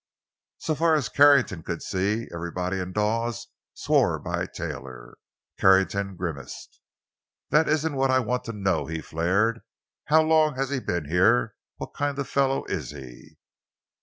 So far as Carrington could see, everybody in Dawes swore by Taylor. Carrington grimaced. "That isn't what I want to know," he flared. "How long has he been here; what kind of a fellow is he?"